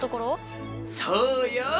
そうよ。